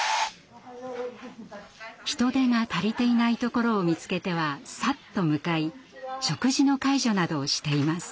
人手が足りていないところを見つけてはさっと向かい食事の介助などをしています。